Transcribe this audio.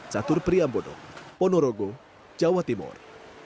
jatuh priyambodo ponorogo jawa timur